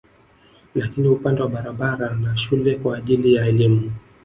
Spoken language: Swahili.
Lakini upande wa barabara na shule kwa ajili ya elimu